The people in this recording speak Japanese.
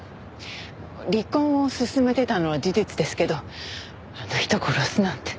離婚を進めてたのは事実ですけどあの人を殺すなんて。